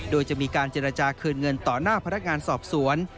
โดยจะมีการเจรจาคืนเงินต่อหน้าพนักงานสอบสวน